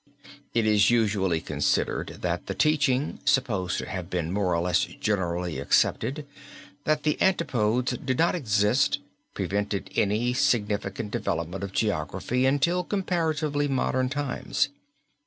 It is usually considered that the teaching, supposed to have been more or less generally accepted, that the Antipodes did not exist, prevented any significant development of geography until comparatively modern times.